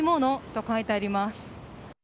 と書いてあります。